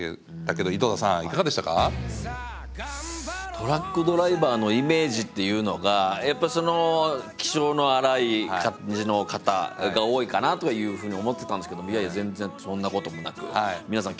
トラックドライバーのイメージっていうのがやっぱその気性の荒い感じの方が多いかなというふうに思ってたんですけどいやいや全然そんなこともなく皆さん